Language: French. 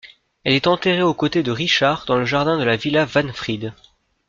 Elle est enterrée aux côtés de Richard dans le jardin de la Villa Wahnfried.